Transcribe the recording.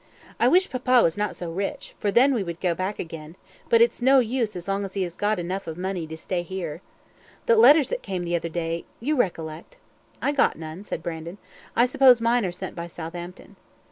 I wish papa was not so rich, for then we would go back again; but it's no use as long as he has got enough of money to stay here. The letters that came the other day you recollect." "I got none," said Brandon; "I suppose mine are sent by Southampton."